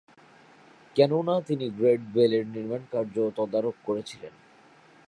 কেননা, তিনি গ্রেট বেলের নির্মাণ কার্য তদারক করেছিলেন।